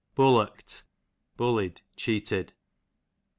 Bullockt, bullied, cheated.